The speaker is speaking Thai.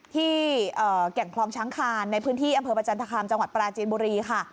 แก่งคลองช้างคานในพื้นที่อำเภอประจันทคามจังหวัดปราจีนบุรีค่ะ